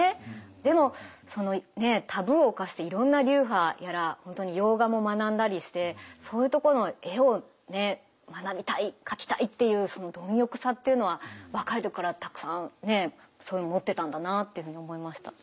でもタブーを犯していろんな流派やら本当に洋画も学んだりしてそういうとこの絵をね学びたい描きたいっていうその貪欲さっていうのは若い時からたくさんね持ってたんだなっていうふうに思いました。